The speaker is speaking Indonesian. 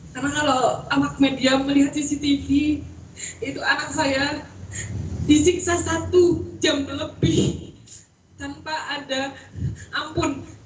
karena kalau anak media melihat cctv itu anak saya disiksa satu jam terlebih tanpa ada ampun